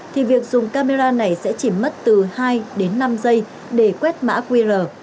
thì việc dùng camera này sẽ chỉ mất từ hai đến năm giây để quét mã qr